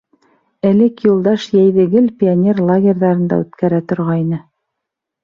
Элек Юлдаш йәйҙе гел пионер лагерҙарында үткәрә торғайны.